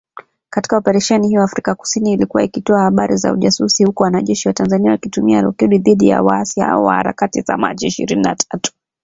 Katika Operesheni hiyo, Afrika kusini ilikuwa ikitoa habari za ujasusi huku wanajeshi wa Tanzania wakitumia roketi dhidi ya waasi hao wa Harakati za Machi ishirini na tatu.